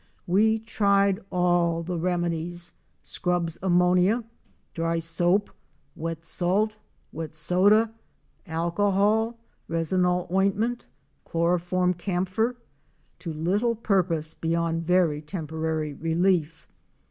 We tried all the remedies — Scrubb's ammonia, dry soap, wet salt, wet soda, alcohol, resinol ointment, chloroform camphor, — to little purpose beyond very temporary relief.